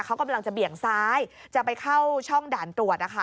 เขากำลังจะเบี่ยงซ้ายจะไปเข้าช่องด่านตรวจนะคะ